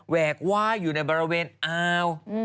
แวกว่ายอยู่ในบริเวณอ่าว